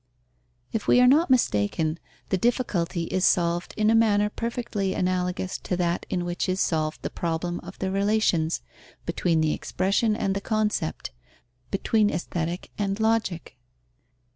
_ If we are not mistaken, the difficulty is solved in a manner perfectly analogous to that in which is solved the problem of the relations between the expression and the concept, between Aesthetic and Logic.